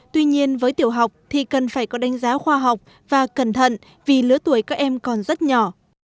tuy nhiên với tiểu học thì cần phải có đánh giá khoa học và cẩn thận vì lứa tuổi các em còn rất nhỏ